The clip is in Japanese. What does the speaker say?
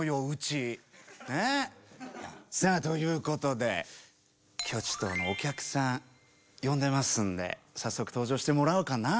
さあということで今日ちょっとお客さん呼んでますんで早速登場してもらおうかな。